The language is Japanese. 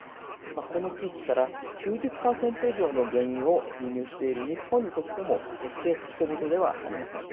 この地域から９０％以上の原油を輸入している日本にとっても決して他人事ではありません。